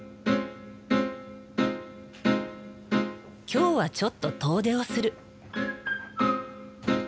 今日はちょっと遠出をする。